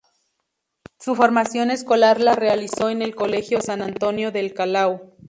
Su formación escolar la realizó en el Colegio San Antonio del Callao.